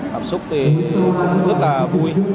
tạm sức rất là vui